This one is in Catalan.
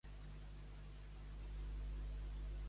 Ser tan car com un ou un sou.